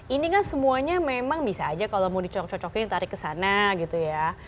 ini kan semuanya memang bisa aja kalau mau dicocokin tarik ke sana gitu ya